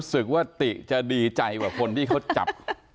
สติว่าติจะดีใจกว่าคนที่เขาจับ